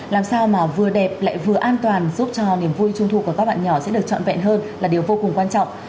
làm sao mà vừa đẹp lại vừa an toàn giúp cho niềm vui trung thu của các bạn nhỏ sẽ được trọn vẹn hơn là điều vô cùng quan trọng